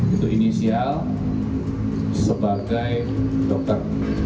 itu inisial sebagai dokter